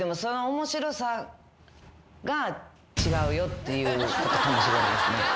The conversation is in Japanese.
っていうことかもしれないですね。